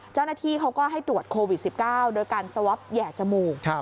เจ้าหน้าที่เขาก็ให้ตรวจโควิด๑๙โดยการสวอปแหย่จมูก